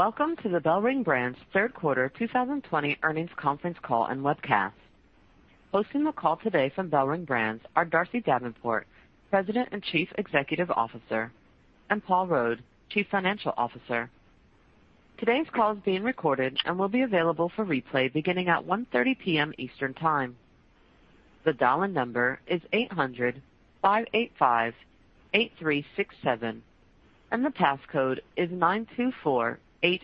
Welcome to the BellRing Brands third quarter 2020 earnings conference call and webcast. Hosting the call today from BellRing Brands are Darcy Davenport, President and Chief Executive Officer, and Paul Rode, Chief Financial Officer. Today's call is being recorded and will be available for replay beginning at 1:30 P.M. Eastern Time. The dial-in number is 800-585-8367, and the passcode is 9248828. At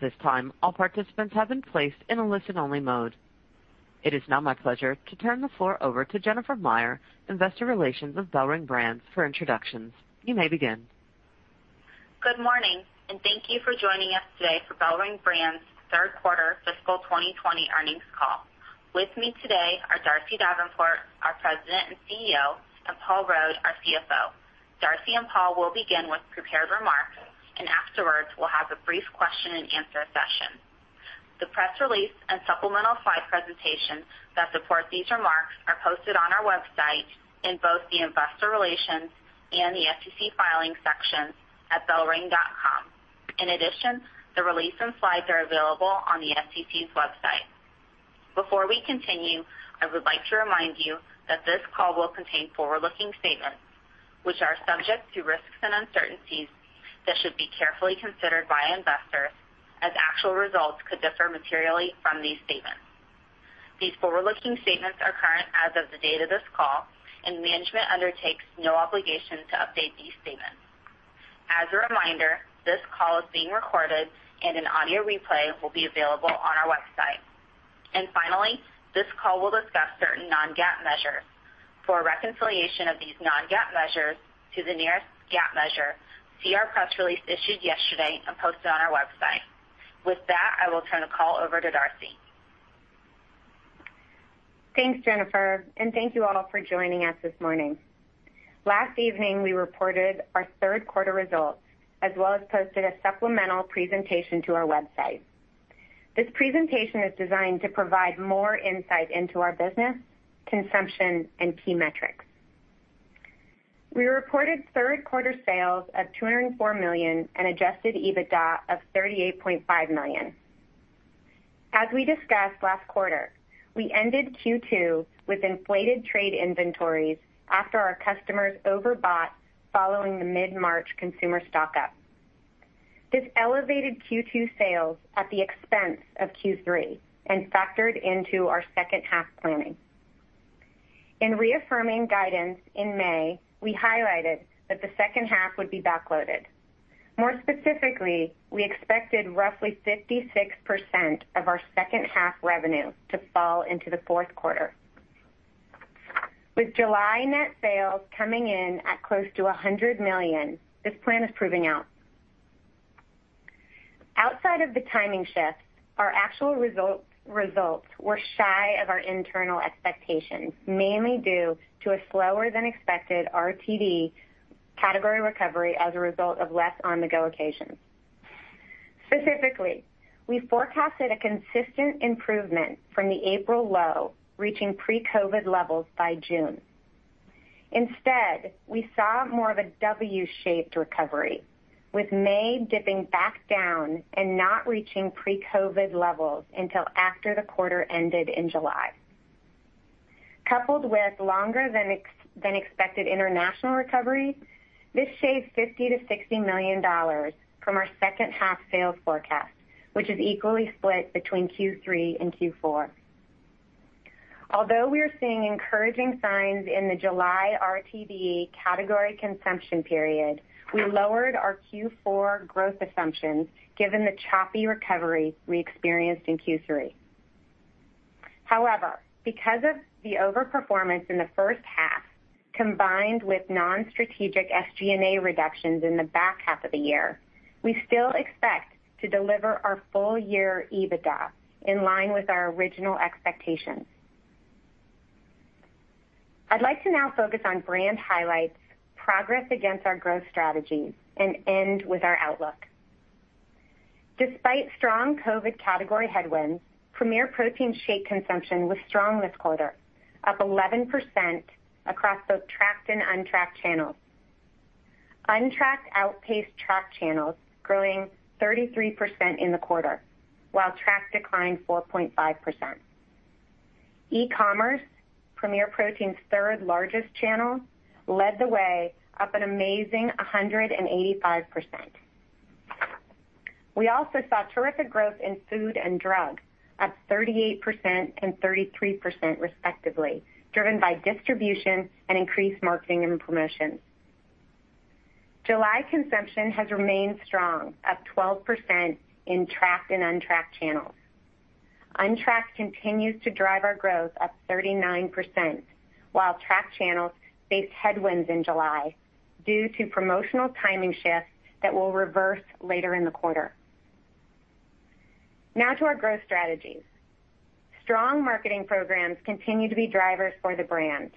this time, all participants have been placed in a listen-only mode. It is now my pleasure to turn the floor It is now my pleasure to turn the floor over to Jennifer Meyer, Investor Relations with BellRing Brands for introductions. You may begin. Good morning, and thank you for joining us today for BellRing Brands' third quarter fiscal 2020 earnings call. With me today are Darcy Davenport, our President and CEO, and Paul Rode, our CFO. Darcy and Paul will begin with prepared remarks. Afterwards, we'll have a brief question and answer session. The press release and supplemental slide presentation that support these remarks are posted on our website in both the investor relations and the SEC filings section at bellring.com. The release and slides are available on the SEC's website. Before we continue, I would like to remind you that this call will contain forward-looking statements, which are subject to risks and uncertainties that should be carefully considered by investors as actual results could differ materially from these statements. These forward-looking statements are current as of the date of this call, and management undertakes no obligation to update these statements. As a reminder, this call is being recorded and an audio replay will be available on our website. Finally, this call will discuss certain non-GAAP measures. For a reconciliation of these non-GAAP measures to the nearest GAAP measure, see our press release issued yesterday and posted on our website. With that, I will turn the call over to Darcy. Thanks, Jennifer, and thank you all for joining us this morning. Last evening, we reported our third quarter results, as well as posted a supplemental presentation to our website. This presentation is designed to provide more insight into our business, consumption, and key metrics. We reported third quarter sales of $204 million and adjusted EBITDA of $38.5 million. As we discussed last quarter, we ended Q2 with inflated trade inventories after our customers overbought following the mid-March consumer stock-up. This elevated Q2 sales at the expense of Q3 and factored into our second half planning. In reaffirming guidance in May, we highlighted that the second half would be backloaded. More specifically, we expected roughly 56% of our second half revenue to fall into the fourth quarter. With July net sales coming in at close to $100 million, this plan is proving out. Outside of the timing shift, our actual results were shy of our internal expectations, mainly due to a slower than expected RTD category recovery as a result of less on-the-go occasions. Specifically, we forecasted a consistent improvement from the April low, reaching pre-COVID levels by June. Instead, we saw more of a W-shaped recovery, with May dipping back down and not reaching pre-COVID levels until after the quarter ended in July. Coupled with longer than expected international recovery, this shaved $50 million-$60 million from our second half sales forecast, which is equally split between Q3 and Q4. Although we're seeing encouraging signs in the July RTD category consumption period, we lowered our Q4 growth assumptions given the choppy recovery we experienced in Q3. However, because of the over-performance in the first half, combined with non-strategic SG&A reductions in the back half of the year, we still expect to deliver our full year EBITDA in line with our original expectations. I'd like to now focus on brand highlights, progress against our growth strategies, and end with our outlook. Despite strong COVID category headwinds, Premier Protein shake consumption was strong this quarter, up 11% across both tracked and untracked channels. Untracked outpaced tracked channels, growing 33% in the quarter, while tracked declined 4.5%. E-commerce, Premier Protein's third largest channel, led the way, up an amazing 185%. We also saw terrific growth in food and drug, up 38% and 33% respectively, driven by distribution and increased marketing and promotions. July consumption has remained strong, up 12% in tracked and untracked channels. Untracked continues to drive our growth, up 39%, while tracked channels faced headwinds in July due to promotional timing shifts that will reverse later in the quarter. Now to our growth strategies. Strong marketing programs continue to be drivers for the brand.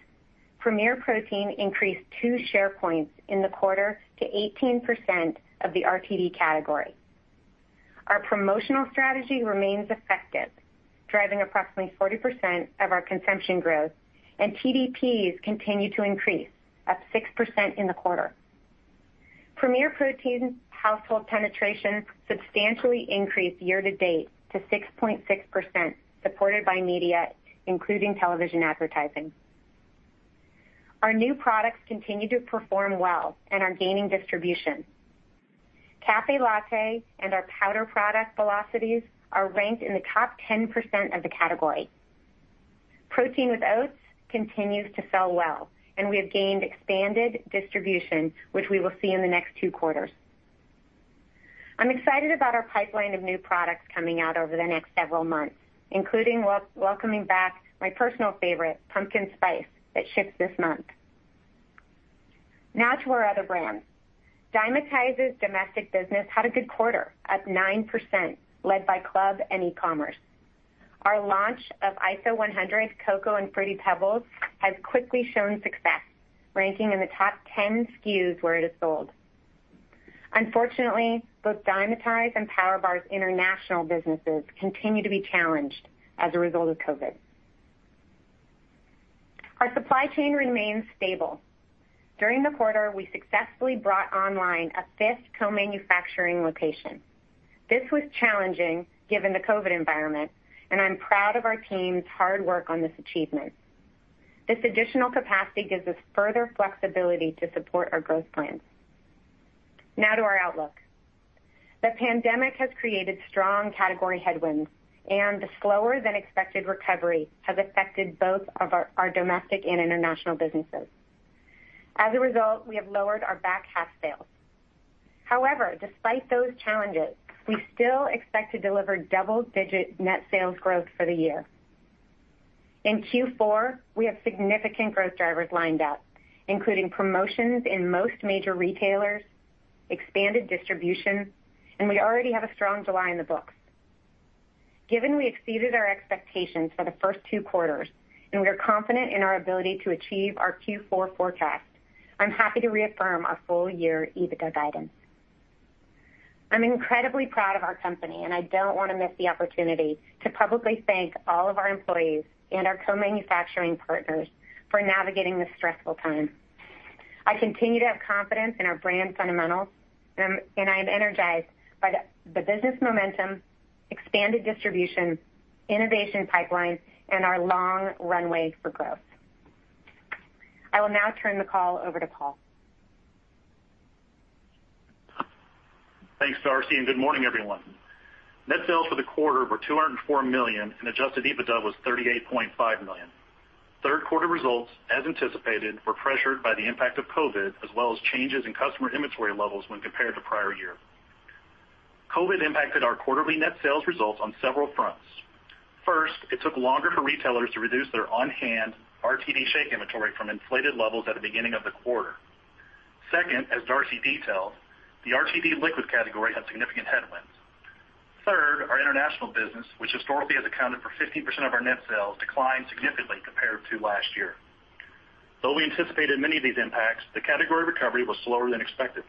Premier Protein increased two share points in the quarter to 18% of the RTD category. Our promotional strategy remains effective, driving approximately 40% of our consumption growth, and TDPs continue to increase, up 6% in the quarter. Premier Protein's household penetration substantially increased year to date to 6.6%, supported by media, including television advertising. Our new products continue to perform well and are gaining distribution. Café Latte and our powder product velocities are ranked in the top 10% of the category. Protein with Oats continues to sell well, and we have gained expanded distribution, which we will see in the next two quarters. I'm excited about our pipeline of new products coming out over the next several months, including welcoming back my personal favorite, Pumpkin Spice, that ships this month. Now to our other brands. Dymatize's domestic business had a good quarter, up 9%, led by club and e-commerce. Our launch of ISO100 Cocoa and Fruity PEBBLES has quickly shown success, ranking in the top 10 SKUs where it is sold. Unfortunately, both Dymatize and PowerBar's international businesses continue to be challenged as a result of COVID. Our supply chain remains stable. During the quarter, we successfully brought online a fifth co-manufacturing location. This was challenging given the COVID environment, and I'm proud of our team's hard work on this achievement. This additional capacity gives us further flexibility to support our growth plans. Now to our outlook. The pandemic has created strong category headwinds, and the slower-than-expected recovery has affected both of our domestic and international businesses. As a result, we have lowered our back half sales. However, despite those challenges, we still expect to deliver double-digit net sales growth for the year. In Q4, we have significant growth drivers lined up, including promotions in most major retailers, expanded distribution, and we already have a strong July in the books. Given we exceeded our expectations for the first two quarters and we are confident in our ability to achieve our Q4 forecast, I'm happy to reaffirm our full-year EBITDA guidance. I'm incredibly proud of our company, and I don't want to miss the opportunity to publicly thank all of our employees and our co-manufacturing partners for navigating this stressful time. I continue to have confidence in our brand fundamentals, and I am energized by the business momentum, expanded distribution, innovation pipeline, and our long runway for growth. I will now turn the call over to Paul. Thanks, Darcy, and good morning, everyone. Net sales for the quarter were $204 million, and adjusted EBITDA was $38.5 million. Third quarter results, as anticipated, were pressured by the impact of COVID, as well as changes in customer inventory levels when compared to prior year. COVID impacted our quarterly net sales results on several fronts. First, it took longer for retailers to reduce their on-hand RTD shake inventory from inflated levels at the beginning of the quarter. Second, as Darcy detailed, the RTD liquid category had significant headwinds. Third, our international business, which historically has accounted for 15% of our net sales, declined significantly compared to last year. Though we anticipated many of these impacts, the category recovery was slower than expected.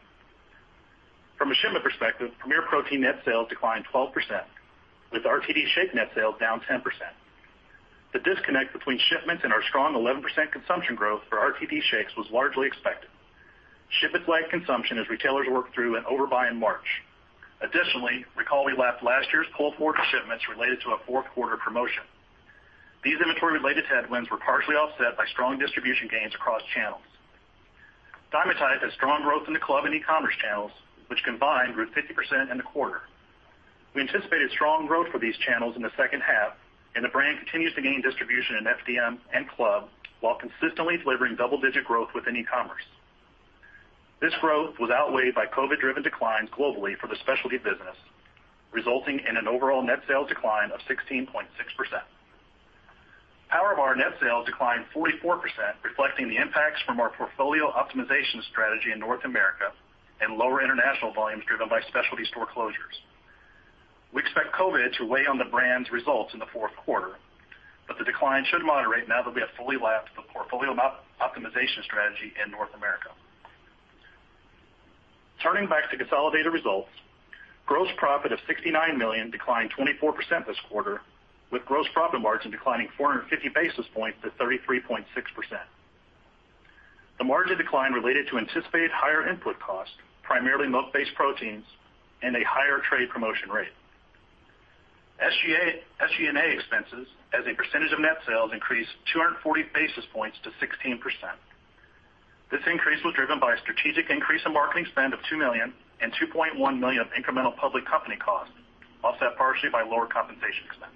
From a shipment perspective, Premier Protein net sales declined 12%, with RTD shake net sales down 10%. The disconnect between shipments and our strong 11% consumption growth for RTD shakes was largely expected. Shipments lag consumption as retailers work through an overbuy in March. Additionally, recall we lapped last year's fourth quarter shipments related to a fourth quarter promotion. These inventory-related headwinds were partially offset by strong distribution gains across channels. Dymatize had strong growth in the club and e-commerce channels, which combined grew 50% in the quarter. We anticipated strong growth for these channels in the second half, and the brand continues to gain distribution in FDM and club, while consistently delivering double-digit growth within e-commerce. This growth was outweighed by COVID-driven declines globally for the specialty business, resulting in an overall net sales decline of 16.6%. PowerBar net sales declined 44%, reflecting the impacts from our portfolio optimization strategy in North America and lower international volumes driven by specialty store closures. We expect COVID to weigh on the brand's results in the fourth quarter, but the decline should moderate now that we have fully lapped the portfolio optimization strategy in North America. Turning back to consolidated results, gross profit of $69 million declined 24% this quarter, with gross profit margin declining 450 basis points to 33.6%. The margin decline related to anticipated higher input costs, primarily milk-based proteins and a higher trade promotion rate. SG&A expenses as a percentage of net sales increased 240 basis points to 16%. This increase was driven by a strategic increase in marketing spend of $2 million and $2.1 million of incremental public company costs, offset partially by lower compensation expense.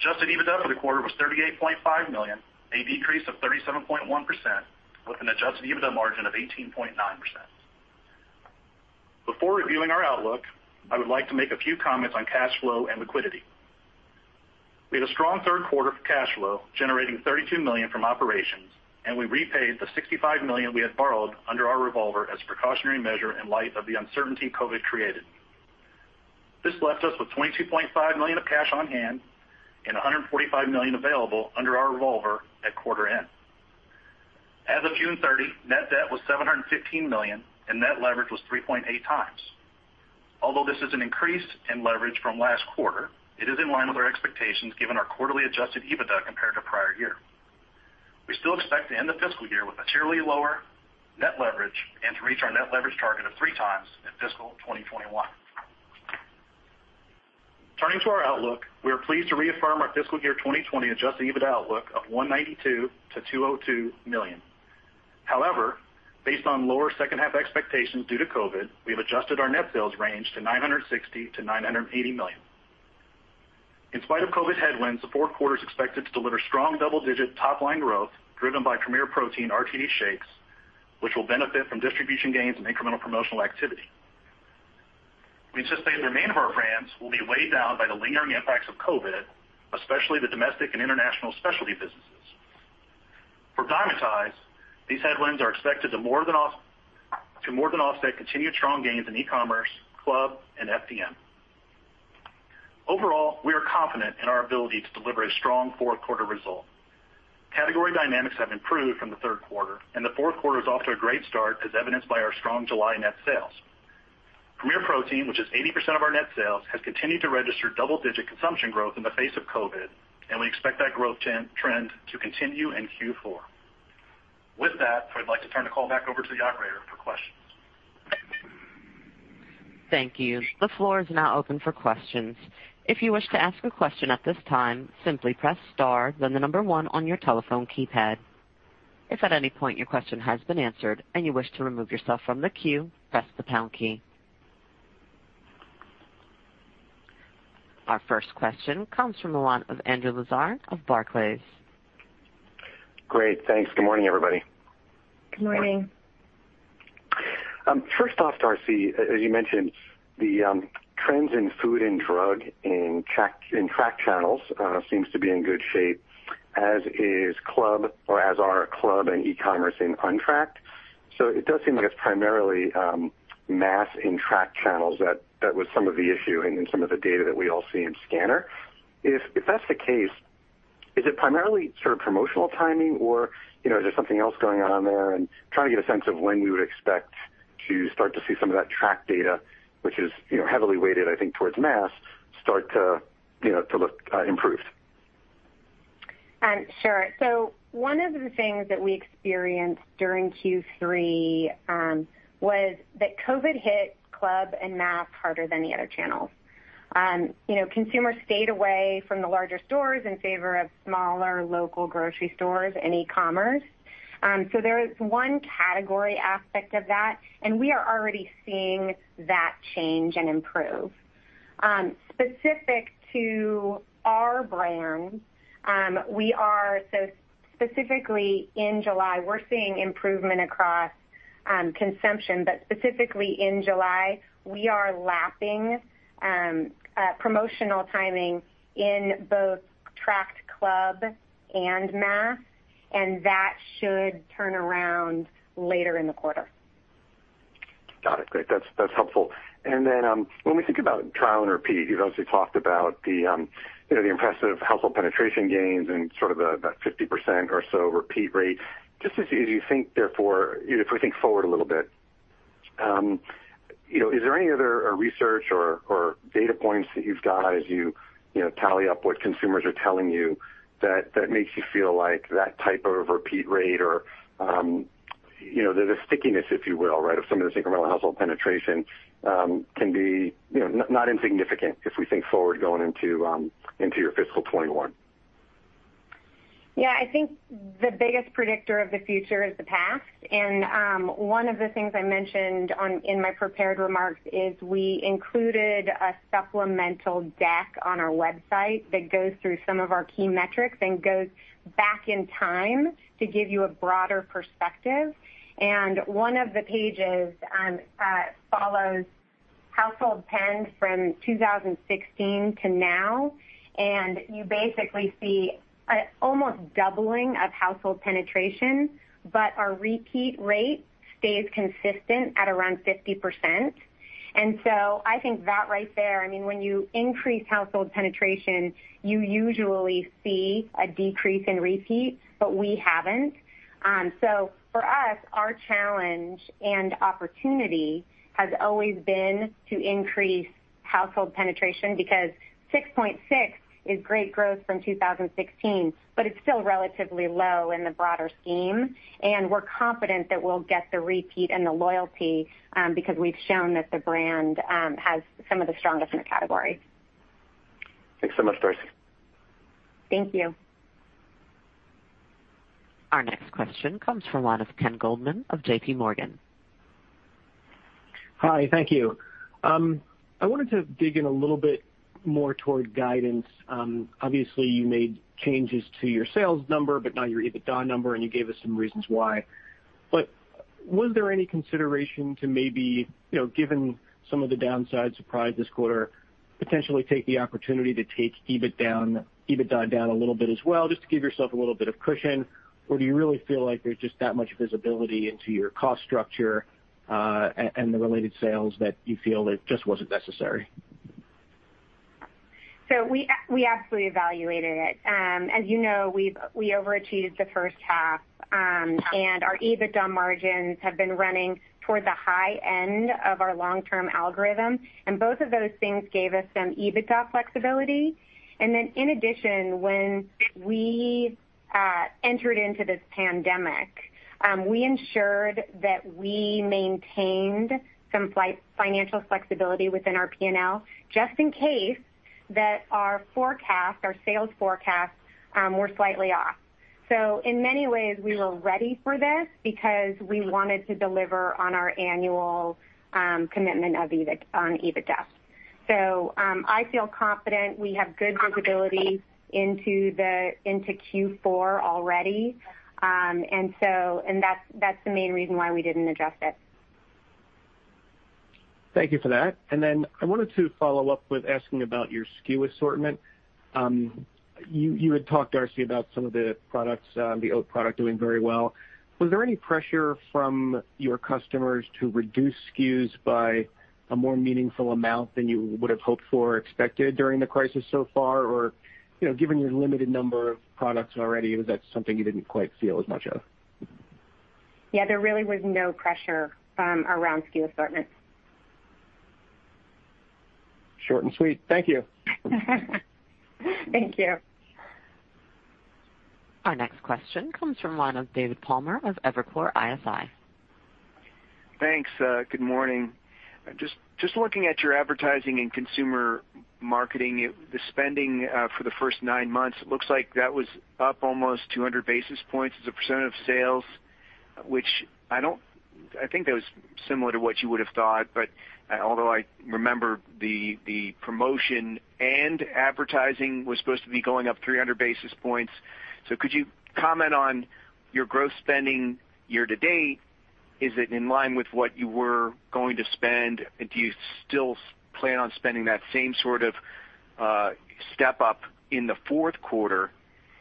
Adjusted EBITDA for the quarter was $38.5 million, a decrease of 37.1%, with an adjusted EBITDA margin of 18.9%. Before reviewing our outlook, I would like to make a few comments on cash flow and liquidity. We had a strong third quarter for cash flow, generating $32 million from operations, and we repaid the $65 million we had borrowed under our revolver as a precautionary measure in light of the uncertainty COVID created. This left us with $22.5 million of cash on hand and $145 million available under our revolver at quarter end. As of June 30, net debt was $715 million, and net leverage was 3.8x. Although this is an increase in leverage from last quarter, it is in line with our expectations given our quarterly adjusted EBITDA compared to prior year. We still expect to end the fiscal year with materially lower net leverage and to reach our net leverage target of 3x in fiscal 2021. Turning to our outlook, we are pleased to reaffirm our fiscal year 2020 adjusted EBITDA outlook of $192 million-$202 million. Based on lower second half expectations due to COVID, we have adjusted our net sales range to $960 million-$980 million. In spite of COVID headwinds, the fourth quarter is expected to deliver strong double-digit top-line growth driven by Premier Protein RTD shakes, which will benefit from distribution gains and incremental promotional activity. We anticipate the remainder of our brands will be weighed down by the lingering impacts of COVID, especially the domestic and international specialty businesses. For Dymatize, these headwinds are expected to more than offset continued strong gains in e-commerce, club, and FDM. We are confident in our ability to deliver a strong fourth quarter result. Category dynamics have improved from the third quarter, and the fourth quarter is off to a great start, as evidenced by our strong July net sales. Premier Protein, which is 80% of our net sales, has continued to register double-digit consumption growth in the face of COVID, and we expect that growth trend to continue in Q4. With that, I'd like to turn the call back over to the operator for questions. Thank you. The floor is now open for questions. If you wish to ask a question at this time, simply press star, then the number one on your telephone keypad. If at any point your question has been answered and you wish to remove yourself from the queue, press the pound key. Our first question comes from the line of Andrew Lazar of Barclays. Great. Thanks. Good morning, everybody. Good morning. First off, Darcy, as you mentioned, the trends in food and drug in tracked channels seems to be in good shape, as are club and e-commerce in untracked. It does seem like it's primarily mass in tracked channels that was some of the issue and in some of the data that we all see in scanner. If that's the case, is it primarily sort of promotional timing or is there something else going on there? Trying to get a sense of when we would expect to start to see some of that tracked data, which is heavily weighted, I think, towards mass, start to look improved. Sure. One of the things that we experienced during Q3 was that COVID hit club and mass harder than the other channels. Consumers stayed away from the larger stores in favor of smaller local grocery stores and e-commerce. There is one category aspect of that, and we are already seeing that change and improve. Specific to our brand, so specifically in July, we're seeing improvement across consumption, but specifically in July, we are lapping promotional timing in both tracked club and mass, and that should turn around later in the quarter. Got it. Great. That's helpful. Then when we think about trial and repeat, you've obviously talked about the impressive household penetration gains and sort of about 50% or so repeat rate. Just as you think therefore, if we think forward a little bit, is there any other research or data points that you've got as you tally up what consumers are telling you that makes you feel like that type of repeat rate or the stickiness, if you will, of some of this incremental household penetration can be not insignificant if we think forward going into your fiscal 2021? Yeah, I think the biggest predictor of the future is the past. One of the things I mentioned in my prepared remarks is we included a supplemental deck on our website that goes through some of our key metrics and goes back in time to give you a broader perspective. One of the pages follows household penetration from 2016 to now, and you basically see almost doubling of household penetration, but our repeat rate stays consistent at around 50%. I think that right there, when you increase household penetration, you usually see a decrease in repeat, but we haven't. For us, our challenge and opportunity has always been to increase household penetration because 6.6 is great growth from 2016, but it's still relatively low in the broader scheme. We're confident that we'll get the repeat and the loyalty because we've shown that the brand has some of the strongest in the category. Thanks so much, Darcy. Thank you. Our next question comes from the line of Ken Goldman of JPMorgan. Hi. Thank you. I wanted to dig in a little bit more toward guidance. Obviously, you made changes to your sales number, but now your EBITDA number, and you gave us some reasons why. Was there any consideration to maybe, given some of the downside surprise this quarter, potentially take the opportunity to take EBITDA down a little bit as well, just to give yourself a little bit of cushion? Do you really feel like there's just that much visibility into your cost structure, and the related sales that you feel it just wasn't necessary? We absolutely evaluated it. As you know, we overachieved the first half. Our EBITDA margins have been running toward the high end of our long-term algorithm, and both of those things gave us some EBITDA flexibility. In addition, when we entered into this pandemic, we ensured that we maintained some financial flexibility within our P&L, just in case that our sales forecasts were slightly off. In many ways, we were ready for this because we wanted to deliver on our annual commitment on EBITDA. I feel confident. We have good visibility into Q4 already. That's the main reason why we didn't adjust it. Thank you for that. I wanted to follow up with asking about your SKU assortment. You had talked, Darcy, about some of the products, the oat product doing very well. Was there any pressure from your customers to reduce SKUs by a more meaningful amount than you would've hoped for or expected during the crisis so far? Given your limited number of products already, was that something you didn't quite feel as much of? Yeah, there really was no pressure around SKU assortment. Short and sweet. Thank you. Thank you. Our next question comes from the line of David Palmer of Evercore ISI. Thanks. Good morning. Just looking at your advertising and consumer marketing, the spending for the first nine months, looks like that was up almost 200 basis points as a percent of sales, which I think that was similar to what you would've thought, but although I remember the promotion and advertising was supposed to be going up 300 basis points. Could you comment on your growth spending year-to-date? Is it in line with what you were going to spend? Do you still plan on spending that same sort of step up in the fourth quarter?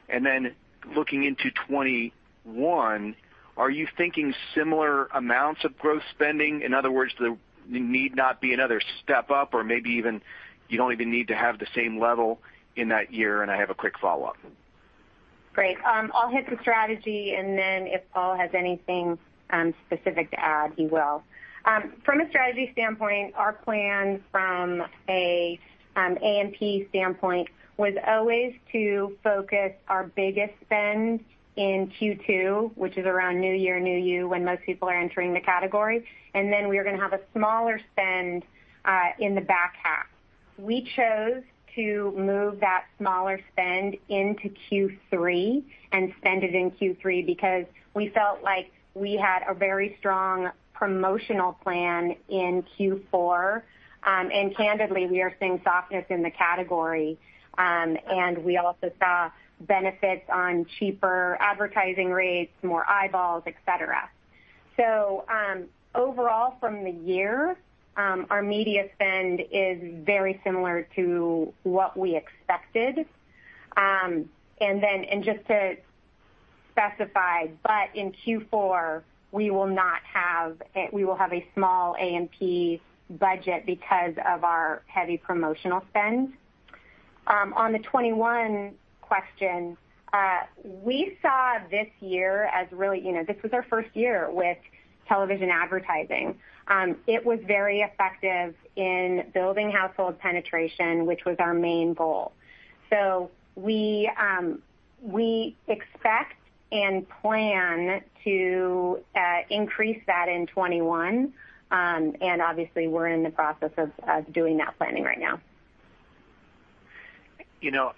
Then looking into 2021, are you thinking similar amounts of growth spending? In other words, there need not be another step up or maybe even you don't even need to have the same level in that year. I have a quick follow-up. Great. I'll hit the strategy, and then if Paul has anything specific to add, he will. From a strategy standpoint, our plan from an A&P standpoint was always to focus our biggest spend in Q2, which is around New Year, new you, when most people are entering the category. We were going to have a smaller spend in the back half. We chose to move that smaller spend into Q3 and spend it in Q3 because we felt like we had a very strong promotional plan in Q4. Candidly, we are seeing softness in the category. We also saw benefits on cheaper advertising rates, more eyeballs, et cetera. Overall from the year, our media spend is very similar to what we expected. Just to specify, but in Q4 we will have a small A&P budget because of our heavy promotional spend. On the 2021 question, we saw this year as really, this was our first year with television advertising. It was very effective in building household penetration, which was our main goal. We expect and plan to increase that in 2021. Obviously, we're in the process of doing that planning right now.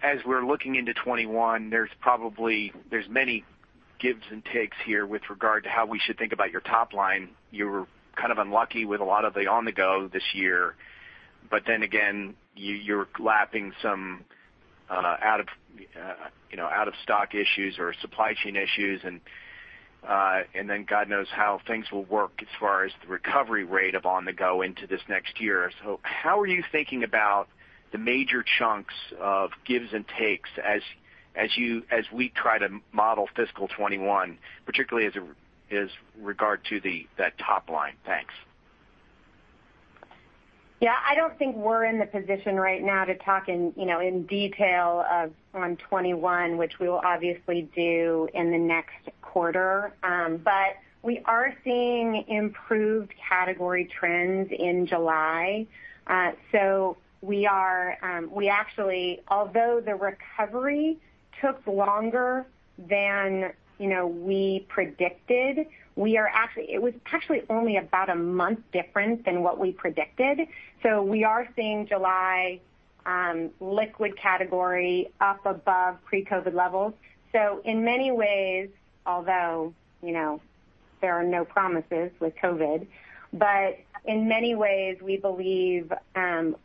As we're looking into 2021, there's many gives and takes here with regard to how we should think about your top line. You were kind of unlucky with a lot of the on-the-go this year, but then again, you're lapping some out of stock issues or supply chain issues and then God knows how things will work as far as the recovery rate of on-the-go into this next year. How are you thinking about the major chunks of gives and takes as we try to model fiscal 2021, particularly as regard to that top line? Thanks. Yeah, I don't think we're in the position right now to talk in detail on 2021, which we will obviously do in the next quarter. We are seeing improved category trends in July. Although the recovery took longer than we predicted, it was actually only about a month difference than what we predicted. We are seeing July liquid category up above pre-COVID levels. In many ways, although there are no promises with COVID, but in many ways, we believe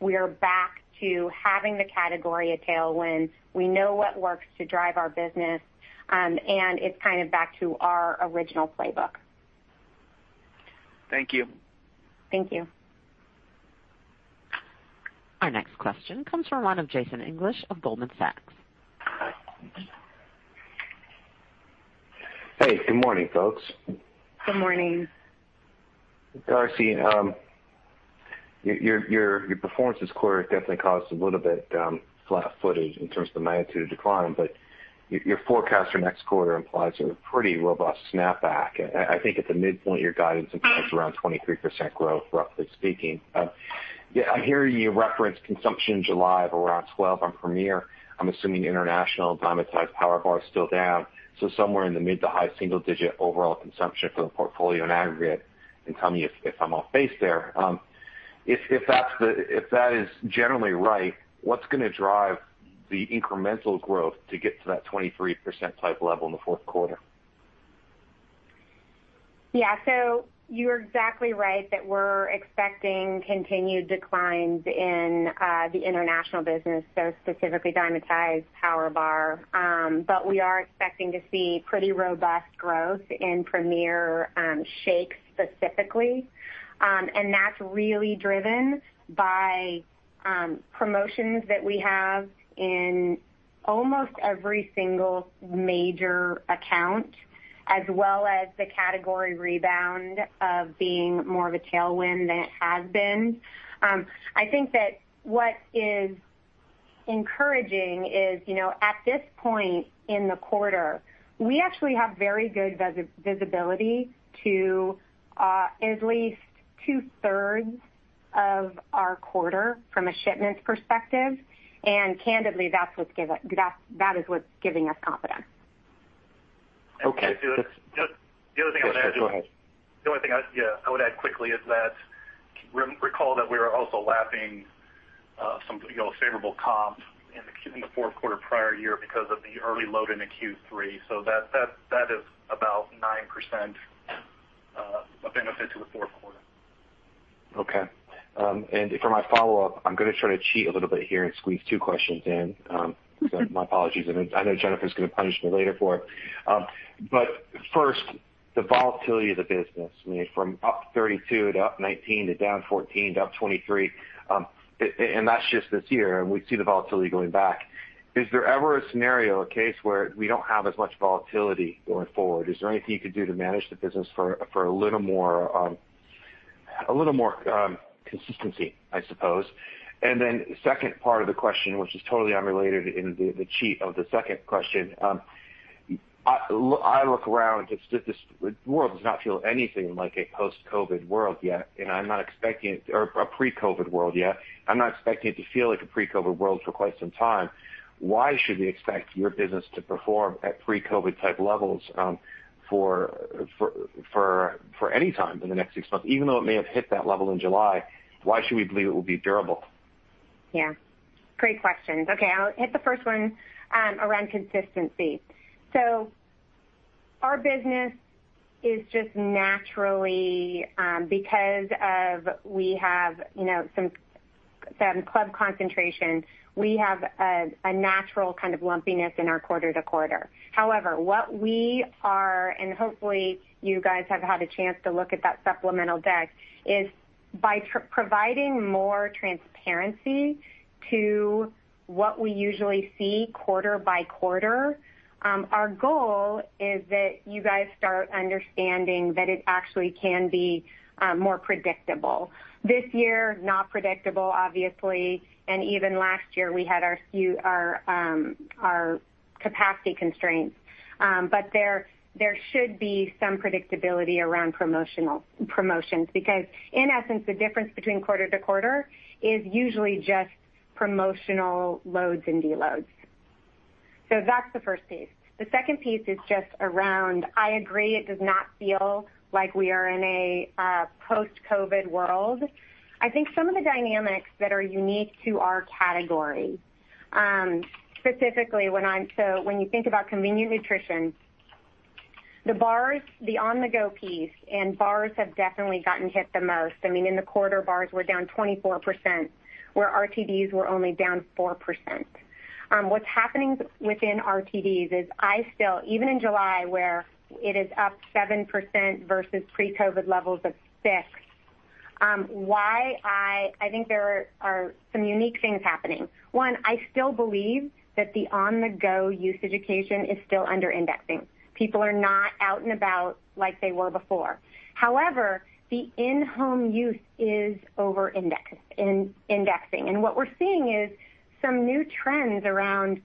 we are back to having the category tailwind. We know what works to drive our business. It's kind of back to our original playbook. Thank you. Thank you. Our next question comes from the line of Jason English of Goldman Sachs. Good morning, folks. Good morning. Darcy, your performance this quarter definitely caused a little bit [flat-footed] in terms of the magnitude of decline, but your forecast for next quarter implies a pretty robust snapback. I think at the midpoint, your guidance implies around 23% growth, roughly speaking. I hear you reference consumption in July of around 12% on Premier. I'm assuming international Dymatize PowerBar is still down, so somewhere in the mid-to-high single-digit overall consumption for the portfolio in aggregate. Tell me if I'm off base there. If that is generally right, what's going to drive the incremental growth to get to that 23% type level in the fourth quarter? You're exactly right that we're expecting continued declines in the international business, specifically Dymatize PowerBar. We are expecting to see pretty robust growth in Premier shakes specifically. That's really driven by promotions that we have in almost every single major account, as well as the category rebound of being more of a tailwind than it has been. I think that what is encouraging is, at this point in the quarter, we actually have very good visibility to at least two-thirds of our quarter from a shipments perspective. Candidly, that is what's giving us confidence. Okay. The other thing I would add. Go ahead. The only thing, yeah, I would add quickly is that recall that we were also lapping some favorable comps in the fourth quarter of prior year because of the early load into Q3. That is about 9% of benefit to the fourth quarter. Okay. For my follow-up, I'm going to try to cheat a little bit here and squeeze two questions in. My apologies. I know Jennifer's going to punish me later for it. First, the volatility of the business. From up 32% to up 19% to down 14% to up 23%. That's just this year, we see the volatility going back. Is there ever a scenario, a case where we don't have as much volatility going forward? Is there anything you could do to manage the business for a little more consistency, I suppose? Second part of the question, which is totally unrelated in the cheat of the second question. I look around, the world does not feel anything like a post-COVID world yet, I'm not expecting it or a pre-COVID world yet. I'm not expecting it to feel like a pre-COVID world for quite some time. Why should we expect your business to perform at pre-COVID type levels for any time in the next six months? Even though it may have hit that level in July, why should we believe it will be durable? Yeah. Great questions. Okay, I'll hit the first one around consistency. Our business is just naturally because of we have some club concentration, we have a natural kind of lumpiness in our quarter to quarter. What we are, and hopefully you guys have had a chance to look at that supplemental deck, is by providing more transparency to what we usually see quarter by quarter. Our goal is that you guys start understanding that it actually can be more predictable. This year, not predictable, obviously. Even last year, we had our capacity constraints. There should be some predictability around promotions, because in essence, the difference between quarter to quarter is usually just promotional loads and deloads. That's the first piece. The second piece is just around, I agree, it does not feel like we are in a post-COVID world. I think some of the dynamics that are unique to our category, specifically when you think about convenient nutrition. The bars, the on-the-go piece and bars have definitely gotten hit the most. In the quarter, bars were down 24%, where RTDs were only down 4%. What's happening within RTDs is I still, even in July, where it is up 7% versus pre-COVID levels of six. I think there are some unique things happening. One, I still believe that the on-the-go use occasion is still under-indexing. People are not out and about like they were before. However, the in-home use is over-indexing. What we're seeing is some new trends around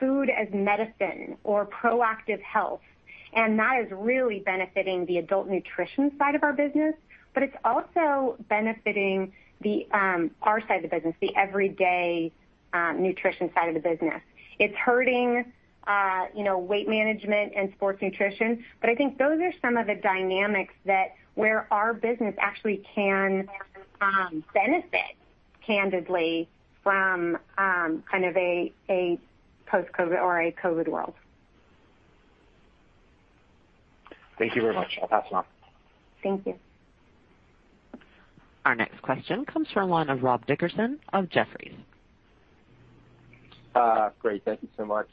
food as medicine or proactive health. That is really benefiting the adult nutrition side of our business, but it's also benefiting our side of the business, the everyday nutrition side of the business. It's hurting weight management and sports nutrition. I think those are some of the dynamics that where our business actually can benefit, candidly, from kind of a post-COVID or a COVID world. Thank you very much. I'll pass it on. Thank you. Our next question comes from the line of Rob Dickerson of Jefferies. Great. Thank you so much.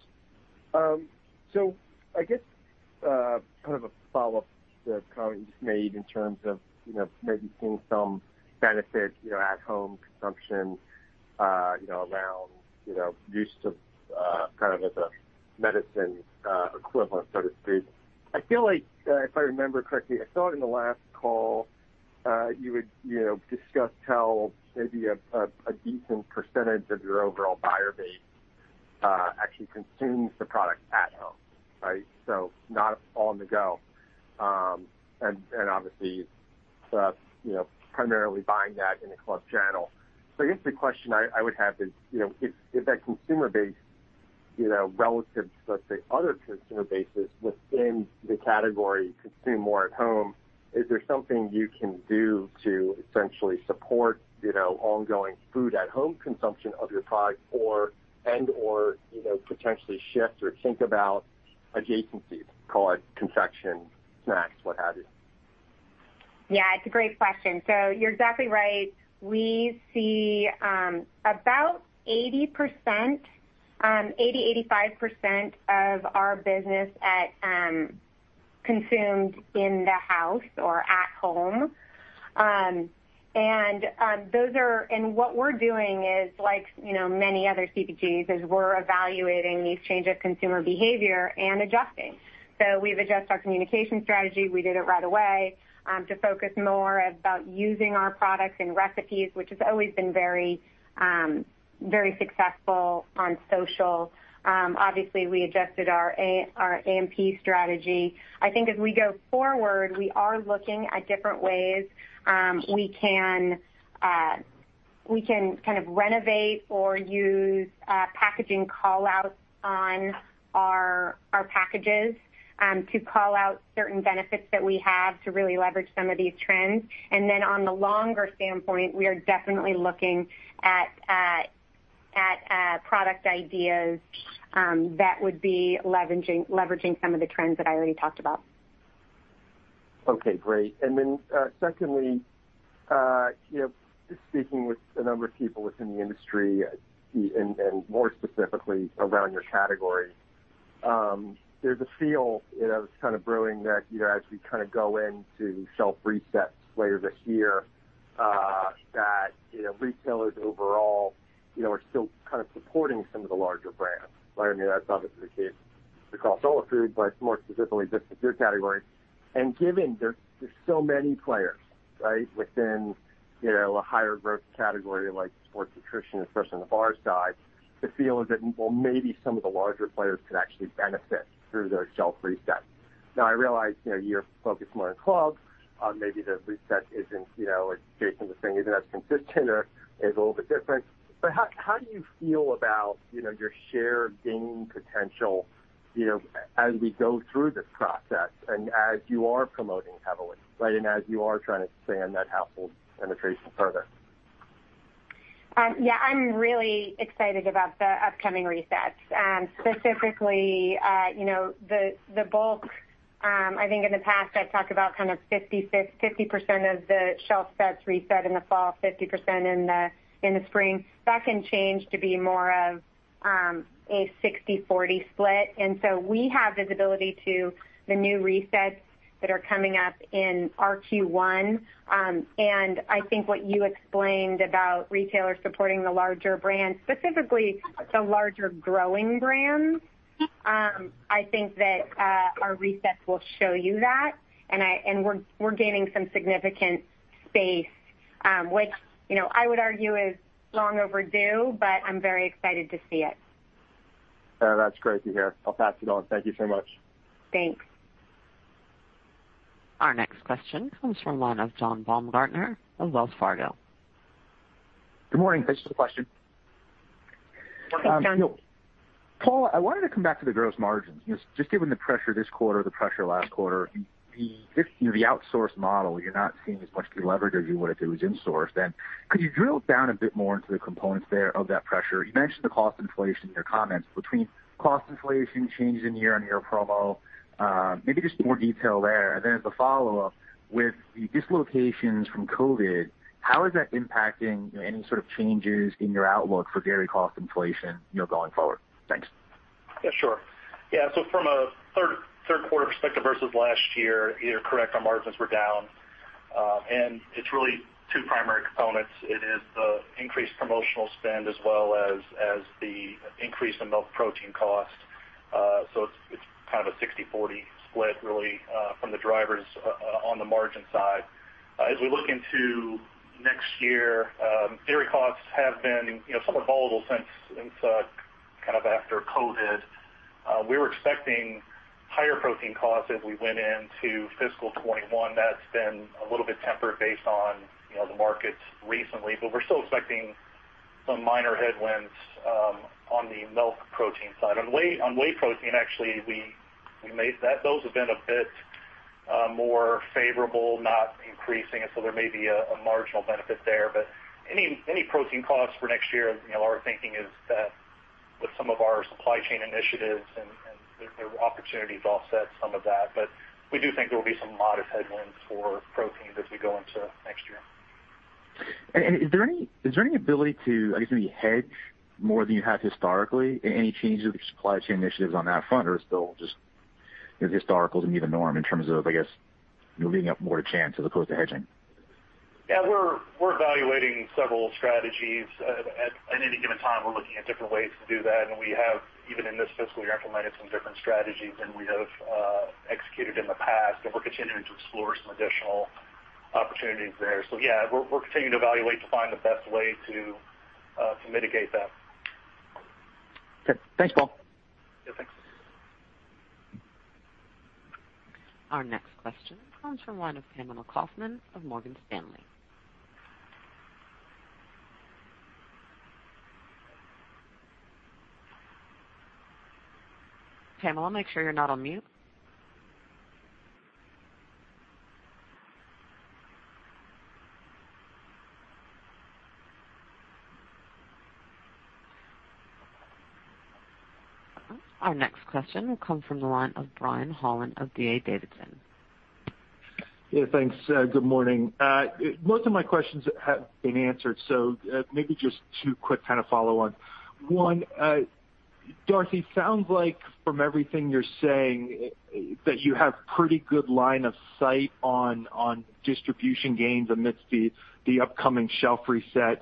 I guess kind of a follow-up to the comment you just made in terms of maybe seeing some benefit at home consumption. Around use as a medicine equivalent, so to speak. I feel like, if I remember correctly, I saw it in the last call, you had discussed how maybe a decent percentage of your overall buyer base actually consumes the product at home. Not on the go. Obviously, primarily buying that in a club channel. I guess the question I would have is, if that consumer base, relative to, let's say, other consumer bases within the category, consume more at home, is there something you can do to essentially support ongoing food at-home consumption of your product and/or potentially shift or think about adjacencies, call it confection, snacks, what have you? Yeah. It's a great question. You're exactly right. We see about 80%, 85% of our business consumed in the house or at home. What we're doing is, like many other CPGs, is we're evaluating these change of consumer behavior and adjusting. We've adjusted our communication strategy. We did it right away, to focus more about using our products and recipes, which has always been very successful on social. Obviously, we adjusted our A&P strategy. I think as we go forward, we are looking at different ways we can renovate or use packaging call-outs on our packages to call out certain benefits that we have to really leverage some of these trends. On the longer standpoint, we are definitely looking at product ideas that would be leveraging some of the trends that I already talked about. Okay, great. Then secondly, just speaking with a number of people within the industry and more specifically around your category, there's a feel that's kind of brewing that as we go into shelf resets later this year, that retailers overall are still supporting some of the larger brands. That's obviously the case across all food, but more specifically just with your category. Given there's so many players within a higher growth category like sports nutrition, especially on the bar side, the feel is that, well, maybe some of the larger players could actually benefit through those shelf resets. Now, I realize you're focused more on clubs. Maybe the reset isn't adjacent to things, or isn't as consistent or is a little bit different, but how do you feel about your share gaining potential as we go through this process and as you are promoting heavily and as you are trying to expand that household penetration further? Yeah, I'm really excited about the upcoming resets. Specifically, I think in the past, I've talked about 50% of the shelf sets reset in the fall, 50% in the spring. That can change to be more of a 60/40 split. We have visibility to the new resets that are coming up in our Q1. I think what you explained about retailers supporting the larger brands, specifically the larger growing brands, I think that our resets will show you that. We're gaining some significant space, which I would argue is long overdue, but I'm very excited to see it. That's great to hear. I'll pass it on. Thank you so much. Thanks. Our next question comes from the line of John Baumgartner of Wells Fargo. Good morning. Thanks for the question. Hi, John. Paul, I wanted to come back to the gross margins. Just given the pressure this quarter, the pressure last quarter, the outsource model, you're not seeing as much leverage as you would if it was insourced. Could you drill down a bit more into the components there of that pressure? You mentioned the cost inflation in your comments. Between cost inflation, changes in year-over-year promo, maybe just more detail there. As a follow-up, with the dislocations from COVID, how is that impacting any sort of changes in your outlook for dairy cost inflation going forward? Thanks. Yeah, sure. From a third quarter perspective versus last year, you're correct, our margins were down. It's really two primary components. It is the increased promotional spend as well as the increase in milk protein cost. It's kind of a 60/40 split, really, from the drivers on the margin side. As we look into next year, dairy costs have been somewhat volatile since after COVID. We were expecting higher protein costs as we went into fiscal 2021. That's been a little bit tempered based on the markets recently, we're still expecting some minor headwinds on the milk protein side. On whey protein, actually, those have been a bit more favorable, not increasing, there may be a marginal benefit there. Any protein costs for next year, our thinking is that with some of our supply chain initiatives and their opportunities offset some of that. We do think there will be some modest headwinds for protein as we go into next year. Is there any ability to, I guess, maybe hedge more than you have historically? Any changes with your supply chain initiatives on that front, or is historical than even norm in terms of, I guess, moving up more to chance as opposed to hedging? Yeah, we're evaluating several strategies. At any given time, we're looking at different ways to do that, and we have, even in this fiscal year, implemented some different strategies than we have executed in the past, and we're continuing to explore some additional opportunities there. Yeah, we're continuing to evaluate to find the best way to mitigate that. Okay. Thanks, Paul. Yeah, thanks. Our next question comes from the line of Pamela Kaufman of Morgan Stanley. Pamela, make sure you're not on mute. Our next question will come from the line of Brian Holland of D.A. Davidson. Thanks. Good morning. Most of my questions have been answered, so maybe just two quick kind of follow on. One, Darcy, sounds like from everything you're saying, that you have pretty good line of sight on distribution gains amidst the upcoming shelf reset,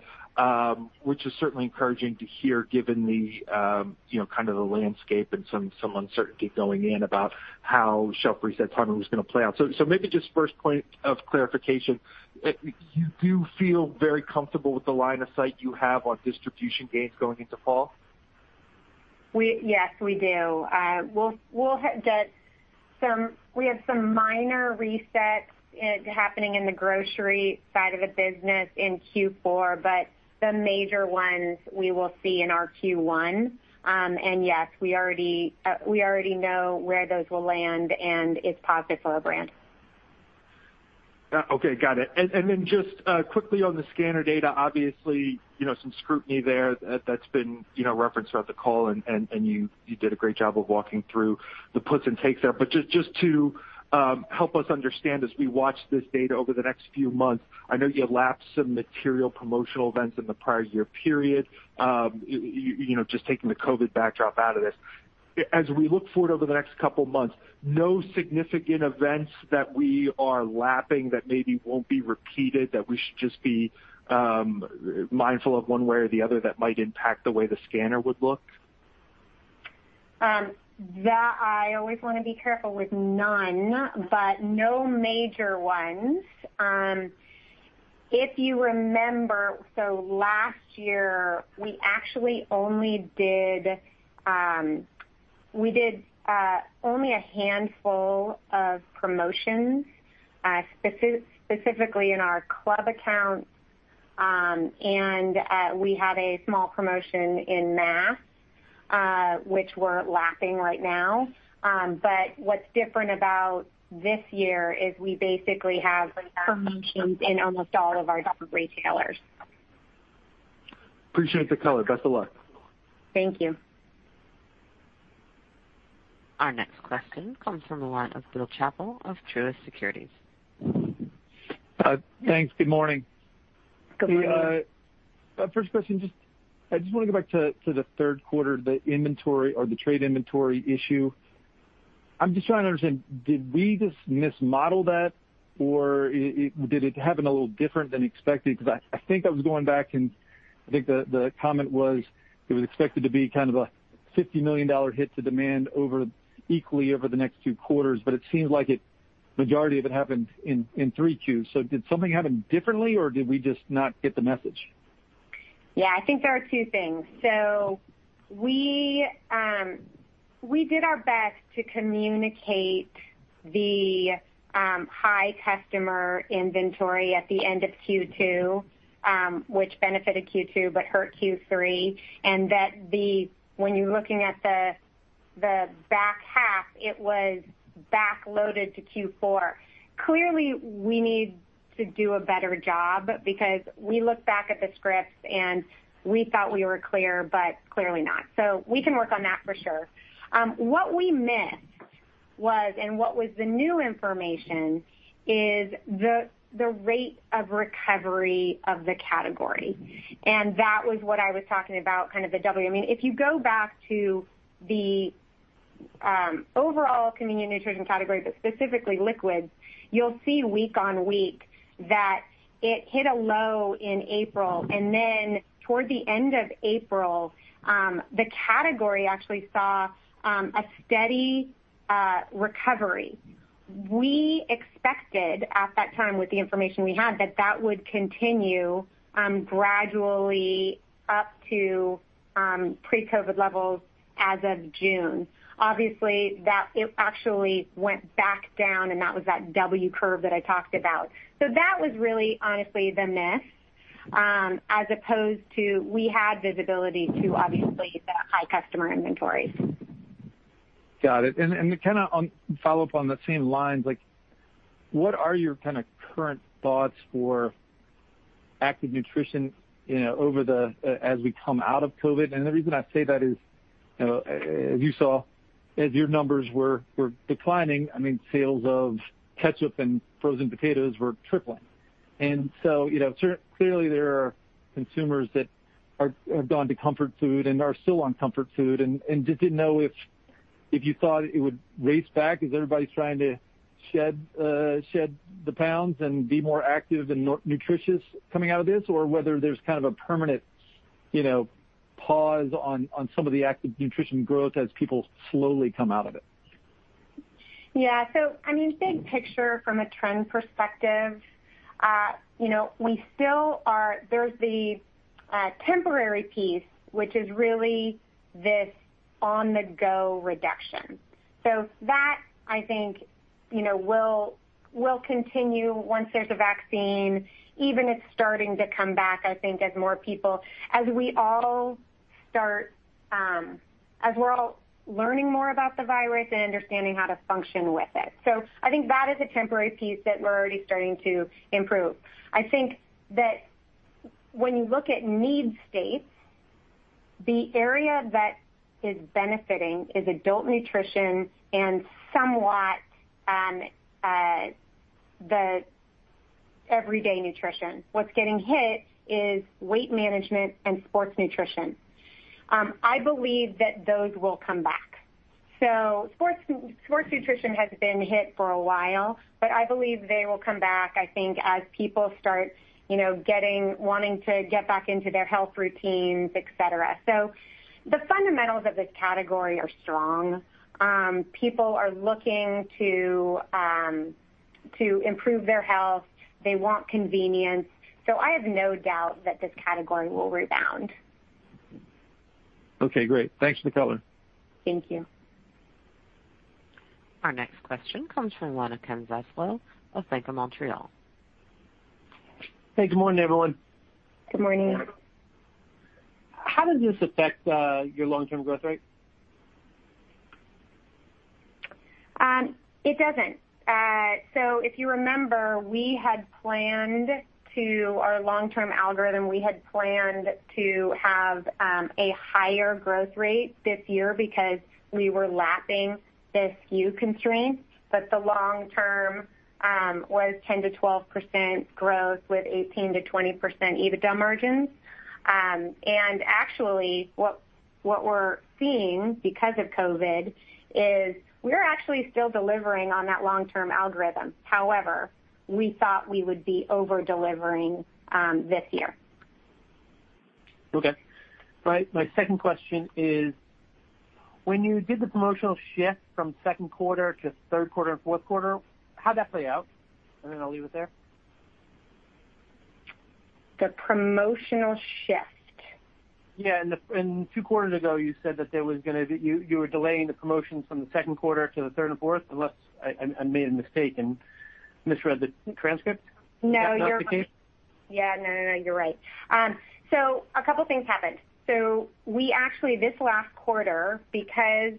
which is certainly encouraging to hear given the kind of the landscape and some uncertainty going in about how shelf reset timing was going to play out. Maybe just first point of clarification, you do feel very comfortable with the line of sight you have on distribution gains going into fall? Yes, we do. We have some minor resets happening in the grocery side of the business in Q4, but the major ones we will see in our Q1. Yes, we already know where those will land, and it's positive for our brand. Okay, got it. Just quickly on the scanner data, obviously, some scrutiny there that's been referenced throughout the call, and you did a great job of walking through the puts and takes there. Just to help us understand as we watch this data over the next few months, I know you lapped some material promotional events in the prior year period, just taking the COVID backdrop out of this. As we look forward over the next couple of months, no significant events that we are lapping that maybe won't be repeated, that we should just be mindful of one way or the other that might impact the way the scanner would look? That I always want to be careful with none, no major ones. If you remember, last year, we did only a handful of promotions, specifically in our club accounts. We had a small promotion in mass, which we're lapping right now. What's different about this year is we basically have promotions in almost all of our top retailers. Appreciate the color. Best of luck. Thank you. Our next question comes from the line of Bill Chappell of Truist Securities. Thanks. Good morning. Good morning. First question, I just want to go back to the third quarter, the inventory or the trade inventory issue. I'm just trying to understand, did we just mismodel that, or did it happen a little different than expected? I think I was going back and I think the comment was, it was expected to be kind of a $50 million hit to demand equally over the next two quarters, it seems like a majority of it happened in 3Q. Did something happen differently, or did we just not get the message? Yeah, I think there are two things. We did our best to communicate the high customer inventory at the end of Q2, which benefited Q2, but hurt Q3. When you're looking at the back half, it was back-loaded to Q4. Clearly, we need to do a better job because we look back at the scripts, and we thought we were clear, but clearly not. We can work on that for sure. What we missed was, and what was the new information, is the rate of recovery of the category. That was what I was talking about, kind of the W. If you go back to the overall convenient nutrition category, but specifically liquids, you'll see week on week that it hit a low in April, and then toward the end of April, the category actually saw a steady recovery. We expected at that time with the information we had, that that would continue gradually up to pre-COVID levels as of June. Obviously, it actually went back down, and that was that W curve that I talked about. That was really honestly the miss, as opposed to we had visibility to obviously the high customer inventories. Got it. To kind of follow up on the same lines, what are your kind of current thoughts for active nutrition as we come out of COVID? The reason I say that is, as you saw, as your numbers were declining, sales of ketchup and frozen potatoes were tripling. Clearly there are consumers that have gone to comfort food and are still on comfort food. Just didn't know if you thought it would race back as everybody's trying to shed the pounds and be more active and nutritious coming out of this, or whether there's kind of a permanent pause on some of the active nutrition growth as people slowly come out of it. Yeah. Big picture from a trend perspective, there's the temporary piece, which is really this on-the-go reduction. That I think will continue once there's a vaccine, even it's starting to come back, I think as we're all learning more about the virus and understanding how to function with it. I think that is a temporary piece that we're already starting to improve. I think that when you look at need states, the area that is benefiting is adult nutrition and somewhat the everyday nutrition. What's getting hit is weight management and sports nutrition. I believe that those will come back. Sports nutrition has been hit for a while, but I believe they will come back, I think, as people start wanting to get back into their health routines, et cetera. The fundamentals of this category are strong. People are looking to improve their health. They want convenience. I have no doubt that this category will rebound. Okay, great. Thanks for the color. Thank you. Our next question comes from Ken Zaslow of Bank of Montreal. Hey, good morning, everyone. Good morning. How does this affect your long-term growth rate? It doesn't. If you remember, our long-term algorithm, we had planned to have a higher growth rate this year because we were lapping the SKU constraints. The long term was 10%-12% growth with 18%-20% EBITDA margins. Actually, what we're seeing because of COVID is we're actually still delivering on that long-term algorithm. However, we thought we would be over-delivering this year. Okay. My second question is, when you did the promotional shift from second quarter to third quarter and fourth quarter, how'd that play out? I'll leave it there. The promotional shift. Yeah. Two quarters ago, you said that you were delaying the promotions from the second quarter to the third and fourth, unless I made a mistake and misread the transcript. No. That's not the case? Yeah, no, you're right. A couple things happened. We actually, this last quarter, those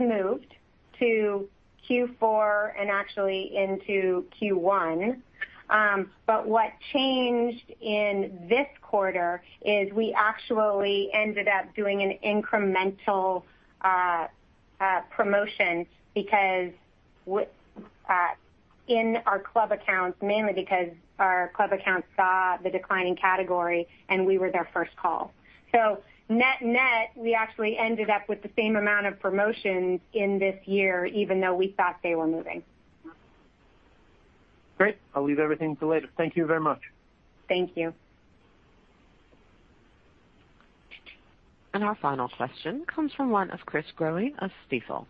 moved to Q4 and actually into Q1. What changed in this quarter is we actually ended up doing an incremental promotion in our club accounts, mainly because our club accounts saw the decline in category, and we were their first call. Net-net, we actually ended up with the same amount of promotions in this year, even though we thought they were moving. Great. I'll leave everything to later. Thank you very much. Thank you. Our final question comes from one of Chris Growe of Stifel.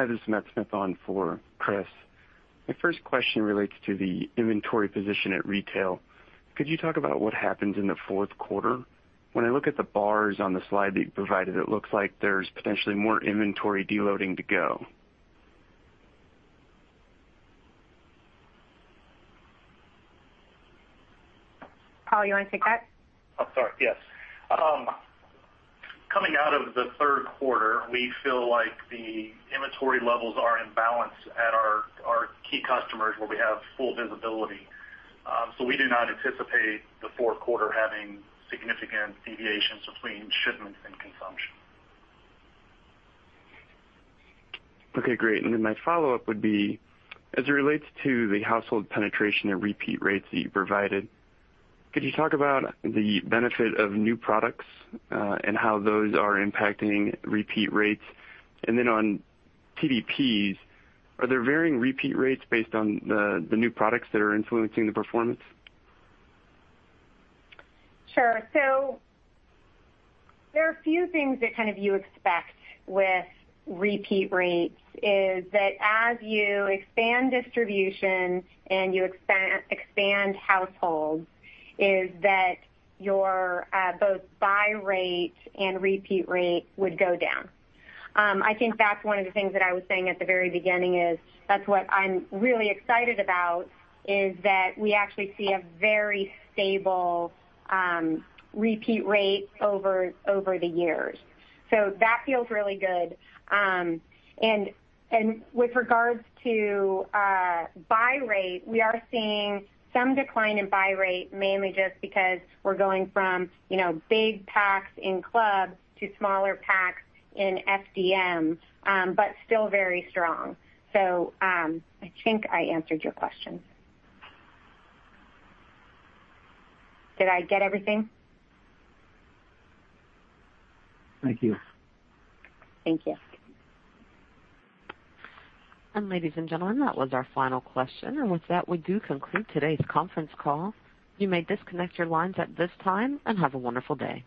Hi, this is Matt Smith on for Chris. My first question relates to the inventory position at retail. Could you talk about what happens in the fourth quarter? When I look at the bars on the slide that you provided, it looks like there's potentially more inventory de-loading to go. Paul, you want to take that? I'm sorry, yes. Coming out of the third quarter, we feel like the inventory levels are in balance at our key customers where we have full visibility. We do not anticipate the fourth quarter having significant deviations between shipments and consumption. Okay, great. My follow-up would be, as it relates to the household penetration and repeat rates that you provided, could you talk about the benefit of new products, and how those are impacting repeat rates? On TDPs, are there varying repeat rates based on the new products that are influencing the performance? Sure. There are a few things that kind of you expect with repeat rates, is that as you expand distribution and you expand households, is that your both buy rate and repeat rate would go down. I think that's one of the things that I was saying at the very beginning is that's what I'm really excited about is that we actually see a very stable repeat rate over the years. That feels really good. With regards to buy rate, we are seeing some decline in buy rate, mainly just because we're going from big packs in club to smaller packs in FDM, but still very strong. I think I answered your question. Did I get everything? Thank you. Thank you. Ladies and gentlemen, that was our final question. With that, we do conclude today's conference call. You may disconnect your lines at this time, and have a wonderful day.